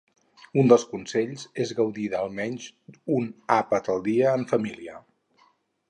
Un dels consells és gaudir d'almenys un àpat al dia en família.